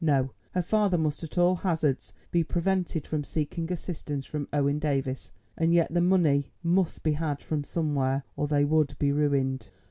No, her father must at all hazards be prevented from seeking assistance from Owen Davies. And yet the money must be had from somewhere, or they would be ruined.